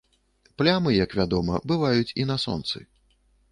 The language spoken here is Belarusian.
Плямы, як вядома, бываюць і на сонцы.